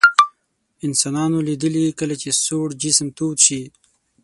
انسانانو لیدلي کله چې سوړ جسم تود شي.